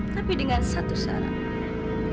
tapi dengan satu sarang